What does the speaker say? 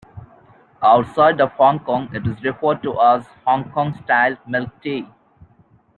Outside of Hong Kong it is referred to as Hong Kong-style milk tea.